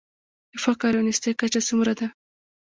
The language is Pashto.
د فقر او نیستۍ کچه څومره ده؟